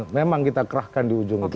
memang kita kerahkan di ujung itu